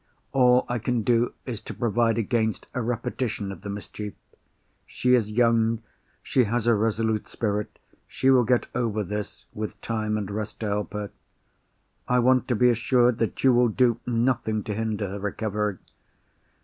All I can do is to provide against a repetition of the mischief. She is young—she has a resolute spirit—she will get over this, with time and rest to help her. I want to be assured that you will do nothing to hinder her recovery.